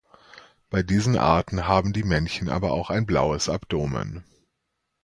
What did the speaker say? Bei diesen Arten haben die Männchen aber auch ein blaues Abdomen.